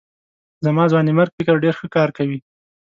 زما ځوانمېرګ فکر ډېر ښه کار کوي.